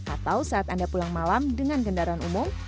atau saat anda pulang malam dengan kendaraan umum